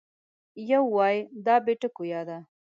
یو وای دا بې ټکو یا ده